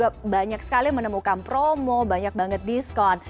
tapi juga banyak sekali menemukan promo banyak banget diskon